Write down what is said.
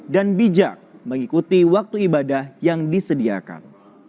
dan bijak mengikuti waktu ibadah yang disediakan